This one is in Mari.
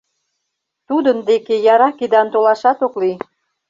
Тудын деке яра кидан толашат ок лий.